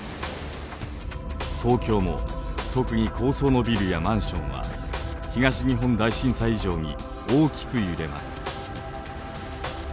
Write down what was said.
東京も特に高層のビルやマンションは東日本大震災以上に大きく揺れます。